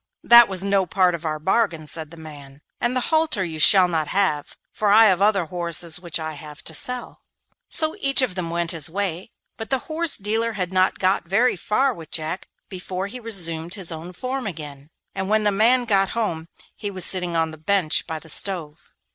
'That was no part of our bargain,' said the man, 'and the halter you shall not have, for I have other horses which I shall have to sell.' So each of them went his way. But the horse dealer had not got very far with Jack before he resumed his own form again, and when the man got home he was sitting on the bench by the stove.